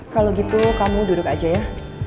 kalau gitu kamu duduk aja ya